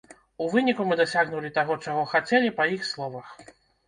У выніку мы дасягнулі таго, чаго хацелі, па іх словах.